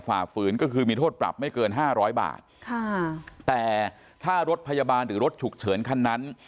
ฝ่าฝืนก็คือมีโทษปรับไม่เกินห้าร้อยบาทค่ะแต่ถ้ารถพยาบาลหรือรถฉุกเฉินคันนั้น